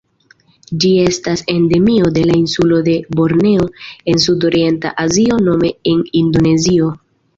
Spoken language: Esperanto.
Ĝi estas endemio de la insulo de Borneo en Sudorienta Azio nome en Indonezio.